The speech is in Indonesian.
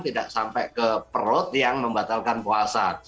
tidak sampai ke perut yang membatalkan puasa